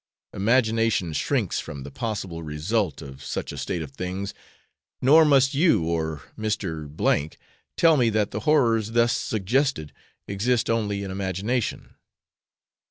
Imagination shrinks from the possible result of such a state of things; nor must you, or Mr. , tell me that the horrors thus suggested exist only in imagination.